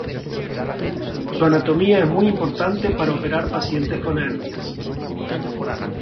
Su anatomía es muy importante para operar pacientes con hernias.